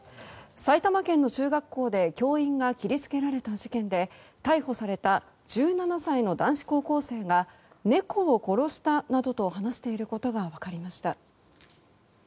埼玉県の中学校で教員が切り付けられた事件で逮捕された１７歳の男子高校生が猫を殺したなどと話していることが分かりました。